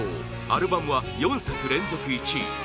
アルバムは４作連続１位